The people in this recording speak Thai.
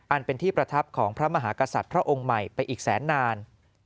อันเป็นที่ประทับของพระมหากษัตริย์พระองค์ใหม่ไปอีกแสนนาน